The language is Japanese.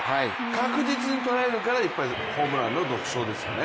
確実に捉えるからホームラン、独走ですね。